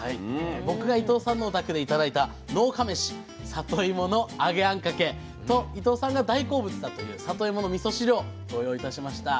僕が伊藤さんのお宅で頂いた農家めしさといもの揚げあんかけと伊藤さんが大好物だというさといものみそ汁をご用意いたしました。